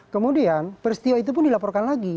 kemudian peristiwa itu pun dilaporkan lagi